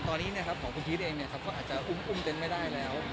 ตอนนี้ของคุณพีชเองก็อาจจะอุ้มเต้นไม่ได้แล้ว